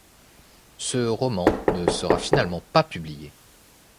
Ce roman ne sera finalement pas publié.